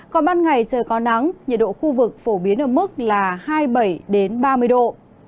còn ban ngày trời có nắng nhiệt độ khu vực phổ biến ở mức là hai mươi bảy ba mươi độ